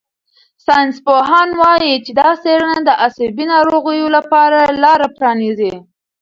ساینسپوهان وايي چې دا څېړنه د عصبي ناروغیو لپاره لار پرانیزي.